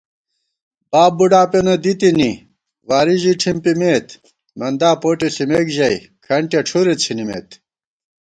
باب بُوڈا پېنہ دِتِنی، واری ژی ٹھِمپِمېت * مندا پوٹےݪِمېکژَئی کھنٹِیَہ ڄُھرےڅِھنِمېت